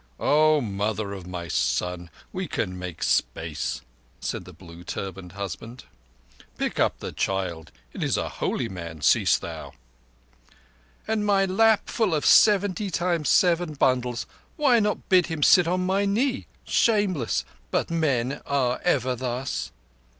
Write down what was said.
"Oh, mother of my son, we can make space," said the blueturbaned husband. "Pick up the child. It is a holy man, see'st thou?" "And my lap full of seventy times seven bundles! Why not bid him sit on my knee, Shameless? But men are ever thus!"